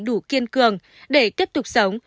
đủ kiên cường để tiếp tục sống